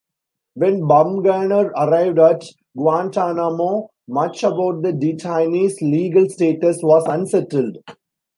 When Bumgarner arrived at Guantanamo, much about the detainees' legal status was unsettled.